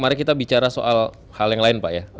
mari kita bicara soal hal yang lain pak ya